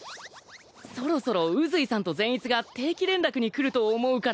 そろそろ宇髄さんと善逸が定期連絡に来ると思うから。